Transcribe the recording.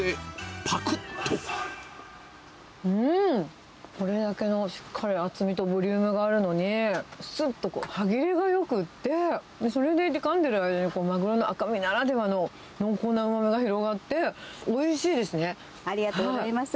うーん、これだけのしっかり厚みとボリュームがあるのに、すっと歯切れがよくって、それでいて、かんでる間にマグロの赤身ならではの濃厚なうまみが広がって、ありがとうございます。